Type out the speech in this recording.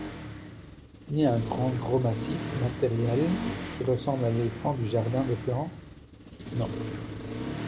Ni un grand gros massif matériel qui ressemble à l'éléphant du Jardin des Plantes ? Non.